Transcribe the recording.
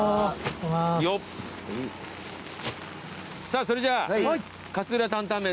さぁそれじゃあ。